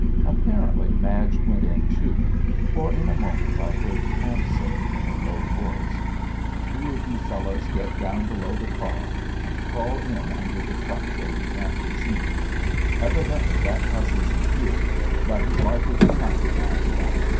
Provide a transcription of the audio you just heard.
Apparently Madge went in too, for in a moment I heard Camp say, in a low voice, "Two of you fellows get down below the car and crawl in under the truck where you can't be seen. Evidently that cuss isn't here, but he's likely to come by and by.